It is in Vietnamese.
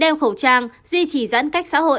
đeo khẩu trang duy trì giãn cách xã hội